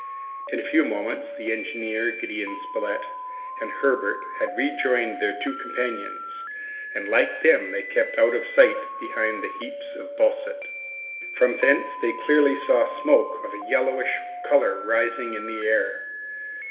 In a few moments, the engineer, Gideon Spilett, and Herbert had rejoined their two companions, and like them, they kept out of sight behind the heaps of basalt. From thence they clearly saw smoke of a yellowish color rising in the air.